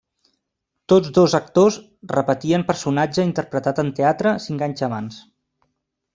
Tots dos actors repetien personatge interpretat en teatre cinc anys abans.